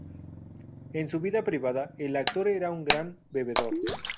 En su vida privada, el actor era un gran bebedor.